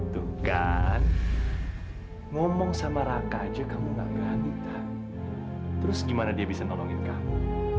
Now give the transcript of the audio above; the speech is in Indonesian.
tuh kan ngomong sama raka aja kamu gak berani tahu terus gimana dia bisa nolongin kamu